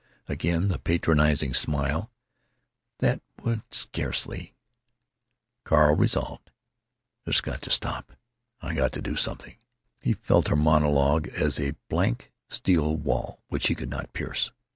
Again the patronizing smile. "That would scarcely——" Carl resolved: "This 's got to stop. I got to do something." He felt her monologue as a blank steel wall which he could not pierce.